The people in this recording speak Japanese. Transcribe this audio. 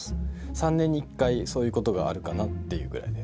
３年に１回そういうことがあるかなっていうぐらいです。